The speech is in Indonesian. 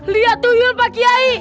liat tuyul pak kiai